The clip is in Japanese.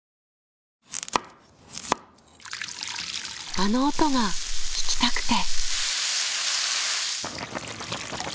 あの音が聞きたくて。